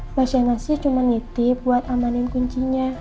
mbak sienna sih cuma nitip buat amanin kuncinya